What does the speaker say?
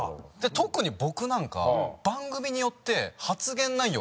特に僕なんか番組によって発言内容